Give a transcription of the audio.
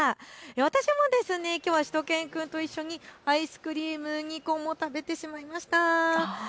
私もきょうはしゅと犬くんと一緒にアイスクリーム２個も食べてしまいました。